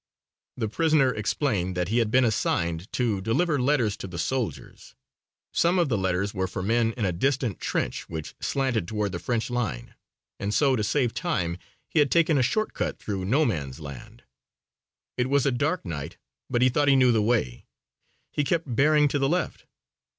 The prisoner explained that he had been assigned to deliver letters to the soldiers. Some of the letters were for men in a distant trench which slanted toward the French line, and so to save time he had taken a short cut through No Man's Land. It was a dark night but he thought he knew the way. He kept bearing to the left.